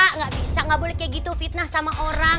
enggak bisa enggak boleh kayak gitu fitnah sama orang